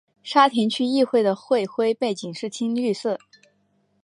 沙田区议会的会徽背景是青绿色。